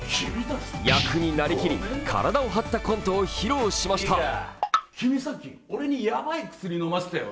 役になりきり体を張ったコントを披露しました。